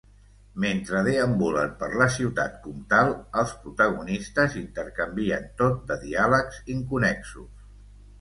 Mentre deambulen per la Ciutat Comtal els protagonistes intercanvien tot de diàlegs inconnexos.